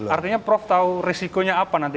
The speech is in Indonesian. artinya prof tahu resikonya apa nanti